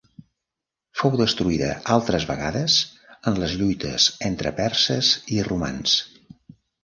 Fou destruïda altres vegades en les lluites entre perses i romans.